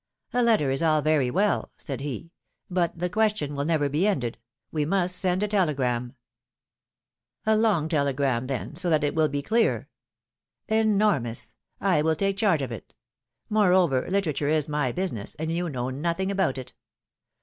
^^A letter is all very well,^^ said he ; but the question will never be ended — we must send a telegram.'^ ^^A long telegram, then, so that it will be clear.'^ Enormous! I will take charge of it; moreover litera ture is my business, and you know nothing about it.